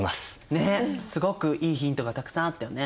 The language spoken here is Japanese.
ねえすごくいいヒントがたくさんあったよね。